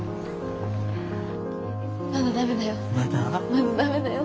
まだ駄目だよ。